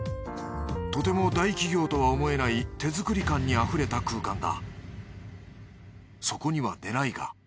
とても大企業とは思えない手作り感にあふれた空間だ。